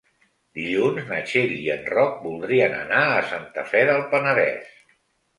Dilluns na Txell i en Roc voldrien anar a Santa Fe del Penedès.